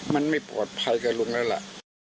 มันไม่ปลอดภัยกับลุงแล้วล่ะ